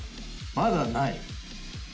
まだない。